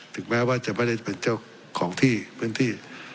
แม้ว่าจะไม่ได้เป็นเจ้าของที่พื้นที่